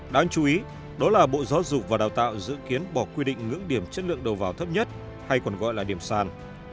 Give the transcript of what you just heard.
đáng chú ý đó là bộ giáo dục và đào tạo dự kiến bỏ quy định ngưỡng điểm chất lượng đầu vào thấp nhất hay còn gọi là điểm sàn